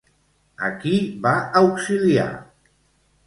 A qui va auxiliar?